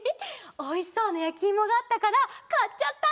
おいしそうなやきいもがあったからかっちゃった！